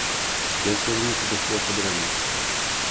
Я скажу несколько слов о драме.